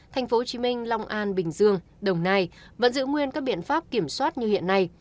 thành phố hồ chí minh long an bình dương đồng nai vẫn giữ nguyên các biện pháp kiểm soát như hiện nay